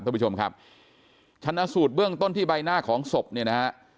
ท่านผู้ชมครับชนะสูตรเบื้องต้นที่ใบหน้าของศพเนี่ยนะฮะ